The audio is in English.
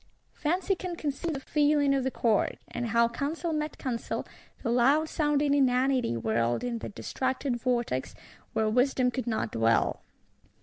Fancy can conceive the feeling of the Court; and how counsel met counsel, the loud sounding inanity whirled in that distracted vortex, where wisdom could not dwell.